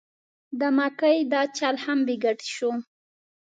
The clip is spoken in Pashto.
د مکۍ دا چل هم بې ګټې شو.